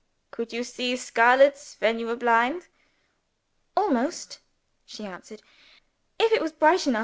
Could you see scarlets when you were blind?" "Almost," she answered, "if it was bright enough.